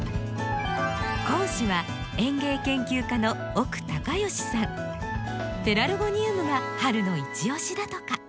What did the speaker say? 講師はペラルゴニウムが春のいち押しだとか。